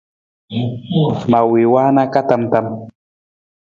Ma wii waana ka tam tam.